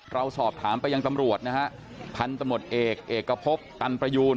เราสอบถามไปยังตำรวจนะฮะพันธุ์ตำรวจเอกเอกพบตันประยูน